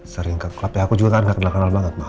sering ke club ya aku juga kan gak kenal kenal banget ma